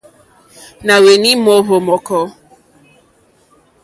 Nà hweni mòohvò mɔ̀kɔ.